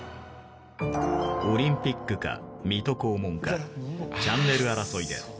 『オリンピック』か『水戸黄門』かチャンネル争いで刺す。